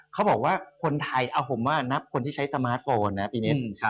เขาบอกว่าคนไทยเอาผมว่านับคนที่ใช้สมาร์ทโฟนนะพี่นิด